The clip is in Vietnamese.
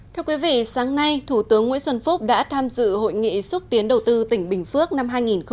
thưa quý vị sáng nay thủ tướng nguyễn xuân phúc đã tham dự hội nghị xúc tiến đầu tư tỉnh bình phước năm hai nghìn một mươi chín